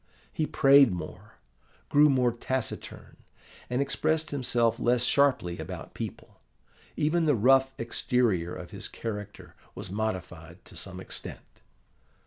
He prayed more, grew more taciturn, and expressed himself less sharply about people: even the rough exterior of his character was modified to some extent.